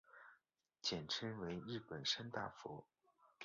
简称为日本三大佛。